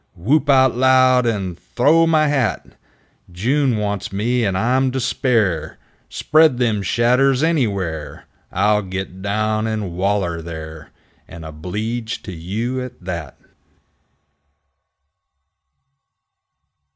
Whoop out loud! And th'ow my hat ! June wants me, and I'm to spare! Spread them shadders anywhere, I'll git down and waller there, And obleeged to you at that!